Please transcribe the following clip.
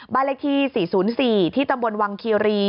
บ้านเลขที่๔๐๔ที่ตำบลวังคีรี